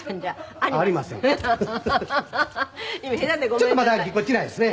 ちょっとまだぎこちないですね。